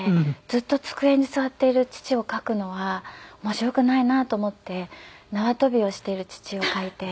ずっと机に座っている父を描くのは面白くないなと思って縄跳びをしている父を描いて。